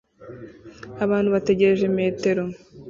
abantu bategereje metero